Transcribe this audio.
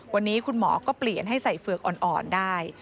วันนี้คุณหมอก็เปลี่ยนให้ใส่เฝือกอ่อนได้